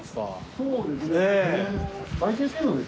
そうです。